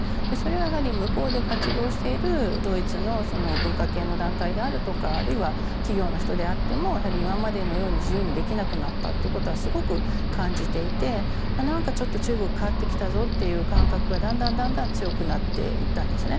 それは向こうで活動しているドイツの文化系の団体であるとかあるいは企業の人であっても今までのように自由にできなくなったということはすごく感じていてなんかちょっと中国変わってきたぞという感覚がだんだん強くなっていったんですね。